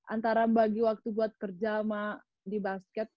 antara bagi waktu buat kerja sama di basket